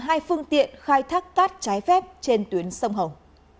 hai phương tiện khai thác cát trái phép trên tuyến sông hồng